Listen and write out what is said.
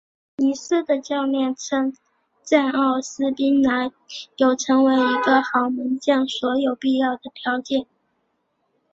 尼斯的教练称赞奥斯宾拿有成为一个好门将所有必要的条件。